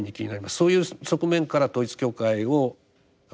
そういう側面から統一教会を捉える。